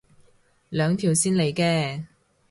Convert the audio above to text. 兩條線嚟嘅